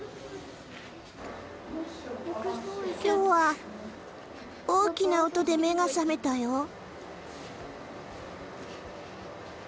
きょうは大きな音で目が覚めたよ。